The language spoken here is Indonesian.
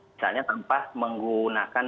misalnya tanpa menggunakan